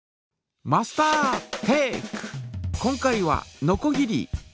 今回はのこぎり。